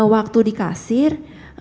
waktu di kasir